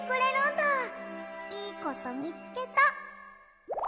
いいことみつけた。